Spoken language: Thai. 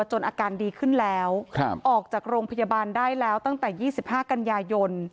อาการดีขึ้นแล้วออกจากโรงพยาบาลได้แล้วตั้งแต่๒๕กันยายน